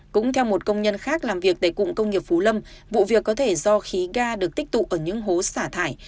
cũng theo một công nhân khác làm việc tại cụng công nghiệp phú lâm vụ việc có thể do khí ga được tích tụ ở những hố xả thải